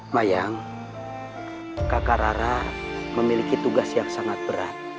mayang kakak rara memiliki tugas yang sangat berat